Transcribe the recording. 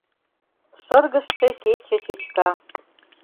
Шыргыжше кече чӱчка.